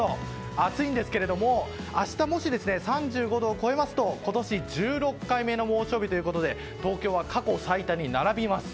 暑いんですけども明日、もし３５度を超えますと今年１６回目の猛暑日ということで東京は過去最多に並びます。